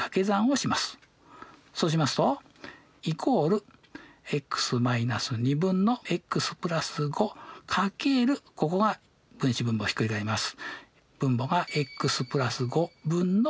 そうしますとここが分子分母ひっくり返ります。